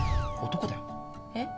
男だよえっ？